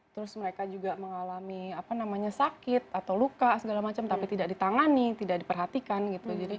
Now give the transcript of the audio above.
terus mereka juga mengalami sakit atau luka segala macam tapi tidak ditangani tidak diperhatikan gitu